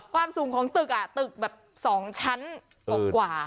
ความสูงของตึกตึกแบบ๒ชั้นกว่า